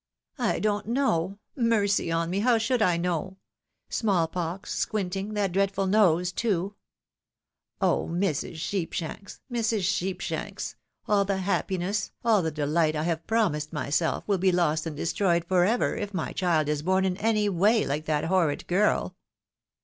" I don't know. Mercy on me ! how should I know ? Small pox, sqviinting, that dreadful nose too ! Oh, Mrs. Sheepshanks, Mrs. Sheepshanks ! aU the happiness, aU the dehght I have promised myself, will be lost and destroyed for ever, if my child is bom in any way like that horrid girl